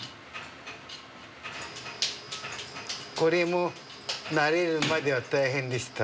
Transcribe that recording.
これも慣れるまでは大変でした。